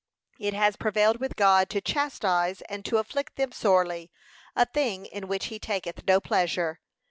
It has prevailed with God to chastise, and to afflict them sorely, a thing in which he taketh no pleasure.